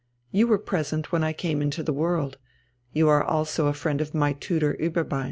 You were present when I came into the world. You are also a friend of my tutor Ueberbein's.